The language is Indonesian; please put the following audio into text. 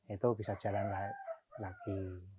itu bisa jalan lagi